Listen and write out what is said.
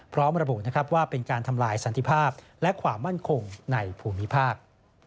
พร้อมระบุนะครับว่าเป็นการทำลายสันติภาพและความมั่นคงในภูมิภาค